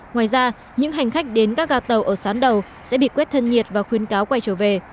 ngoài ra những hành khách đến các gà tàu ở sán đầu sẽ bị quét thân nhiệt và khuyên cáo quay trở về